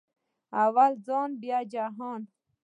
اول ځان بیا جهان